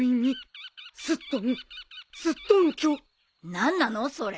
何なのそれ？